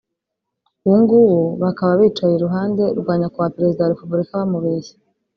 ubungubu bakaba bicaye iruhande rwa Nyakubahwa perezida wa repubulika bamubeshya